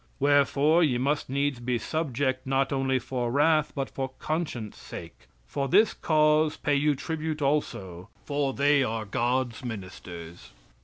Wherefore, ye must needs be subject not only for wrath but for conscience sake. "For this cause pay you tribute also, for they are God's ministers."